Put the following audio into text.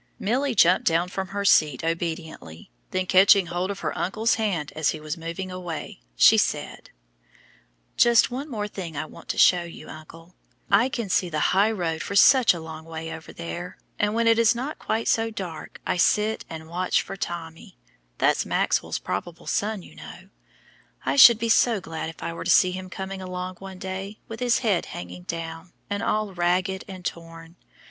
Milly jumped down from her seat obediently; then catching hold of her uncle's hand as he was moving away, she said, "Just one thing more I want to show you, uncle. I can see the high road for such a long way over there, and when it is not quite so dark I sit and watch for Tommy that's Maxwell's probable son, you know. I should be so glad if I were to see him coming along one day with his head hanging down, and all ragged and torn.